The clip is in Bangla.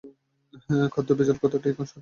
খাদ্যে ভেজাল কথাটি এখন সারাবিশ্বজুড়ে প্রচলিত।